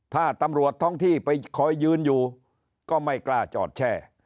ถ้าตำรวจท้องที่ไปคอยยืนอยู่ก็ไม่กล้าจอดแช่